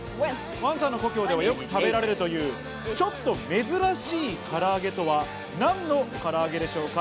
王さんの故郷ではよく食べられるというちょっと珍しい唐揚げとは何の唐揚げでしょうか？